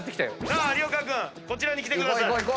有岡君こちらに来てください。